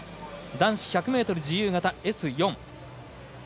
男子１００ｍ自由形Ｓ４。